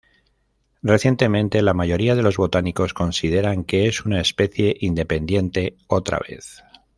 Recientemente, la mayoría de los botánicos consideran que es una especie independiente otra vez.